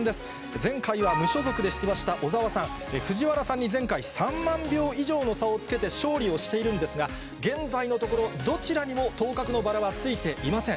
前回は無所属で出馬した小沢さん、藤原さんに前回、３万票以上の差をつけて勝利をしているんですが、現在のところ、どちらにも当確のバラはついていません。